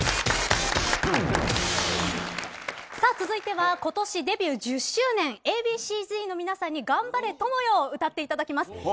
続いては今年デビュー１０周年Ａ．Ｂ．Ｃ‐Ｚの皆さんに「頑張れ、友よ！」を歌っていただきます。